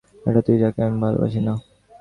এটা তুই যাকে আমি ভালোবাসি না।